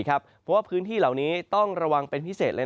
เพราะว่าพื้นที่เหล่านี้ต้องระวังเป็นพิเศษ